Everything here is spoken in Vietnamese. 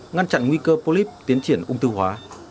ngăn chặn nguy cơ phô líp tiến triển ung tư hóa